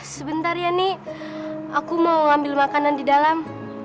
sebentar ya nini aku mau ambil makanan di dalam